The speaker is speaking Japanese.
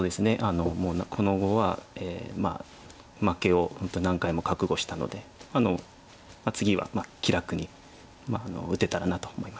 この碁は負けを本当何回も覚悟したので次は気楽に打てたらなと思います。